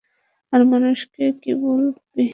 আর মানুষকে কী বলবি?